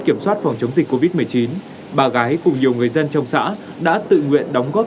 kiểm soát phòng chống dịch covid một mươi chín bà gái cùng nhiều người dân trong xã đã tự nguyện đóng góp